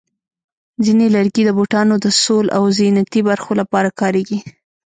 ځینې لرګي د بوټانو د سول او زینتي برخو لپاره کارېږي.